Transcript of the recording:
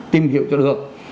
tìm hiểu cho được